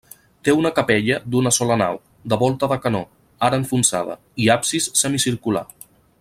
Té una capella d'una sola nau, de volta de canó, ara enfonsada, i absis semicircular.